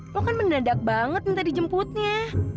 lo kan mendadak banget minta dijemputnya